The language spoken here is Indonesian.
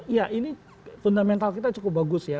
ya ini fundamental kita cukup bagus ya